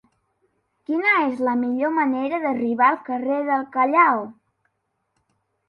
Quina és la millor manera d'arribar al carrer del Callao?